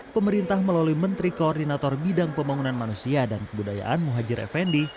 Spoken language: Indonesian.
pemerintah melalui menteri koordinator bidang pembangunan manusia dan kebudayaan muhajir effendi